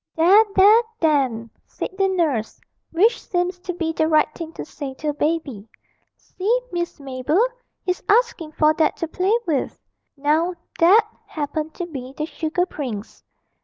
'There, there, then!' said the nurse (which seems to be the right thing to say to a baby). 'See, Miss Mabel, he's asking for that to play with.' Now that happened to be the sugar prince.